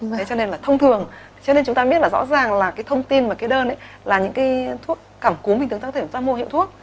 thế cho nên là thông thường cho nên chúng ta biết là rõ ràng là cái thông tin và cái đơn là những cái thuốc cảm cúm bình thường ta có thể ra mua hiệu thuốc